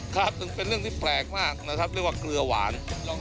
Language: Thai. ครับเป็นเรื่องที่แปลกมากนะครับเรียกว่าเกลือหวาน